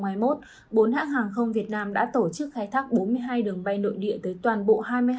bốn hãng hàng không việt nam đã tổ chức khai thác bốn mươi hai đường bay nội địa tới toàn bộ hai mươi hai hãng